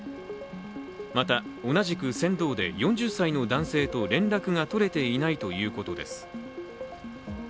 また、同じく船頭で４０歳の男性と連絡が取れていないということです。